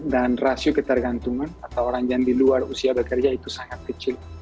dan rasio ketergantungan atau orang yang di luar usia bekerja itu sangat kecil